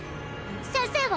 先生は？